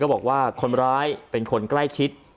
บอกว่าคนร้ายเป็นคนใกล้ชิด